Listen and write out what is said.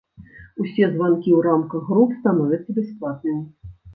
Усе званкі ў рамках груп становяцца бясплатнымі.